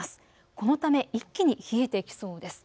このため一気に冷えてきそうです。